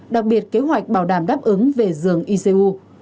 đặc biệt kế hoạch bảo đảm đáp ứng về giường icu